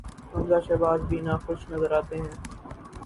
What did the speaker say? حمزہ شہباز بھی ناخوش نظر آتے تھے۔